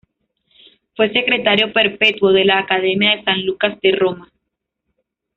Fue secretario perpetuo de la Academia de San Lucas de Roma.